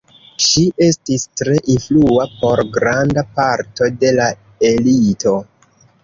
Ŝi estis tre influa por granda parto de la elito.